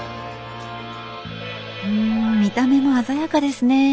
ん見た目も鮮やかですね。